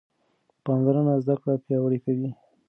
پاملرنه زده کړه پیاوړې کوي.